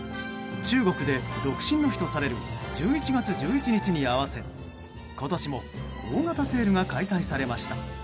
中国で独身の日とされる１１月１１日に合わせ今年も大型セールが開催されました。